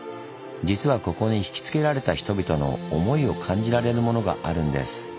実はここに引きつけられた人々の思いを感じられるものがあるんです。